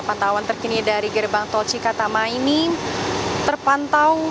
pantauan terkini dari gerbang tol cikatama ini terpantau